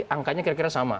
angkanya kira kira sama